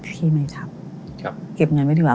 พี่ไหมครับเก็บเงินไว้ดีกว่า